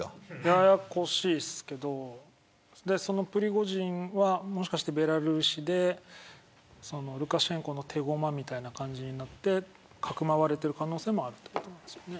ややこしいですけどプリゴジンはもしかしてベラルーシでルカシェンコの手駒みたいな感じになってかくまわれている可能性もあるということですか。